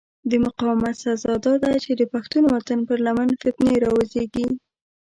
د مقاومت سزا داده چې د پښتون وطن پر لمن فتنې را وزېږي.